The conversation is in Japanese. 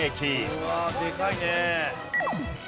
うわあでかいね。